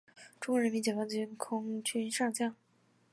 中国人民解放军空军上将。